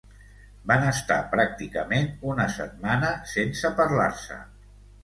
Van estar pràcticament una setmana sense parlar-se.